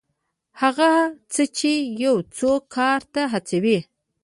هغه څه چې یو څوک کار ته هڅوي.